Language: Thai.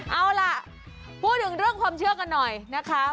เอาล่ะพูดถึงเรื่องความเชื่อกันหน่อยนะคะ